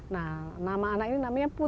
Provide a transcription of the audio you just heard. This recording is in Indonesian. nah nama anak ini namanya pun